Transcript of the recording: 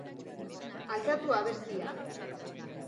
Aldatu abestia.